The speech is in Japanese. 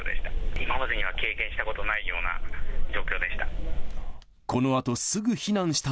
今までには経験したことないような状況でした。